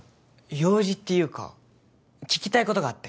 用事っていうか聞きたいことがあって